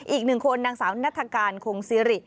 อีกหนึ่งคนนางสาวนัฐกาลคงซิริ